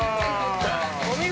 お見事！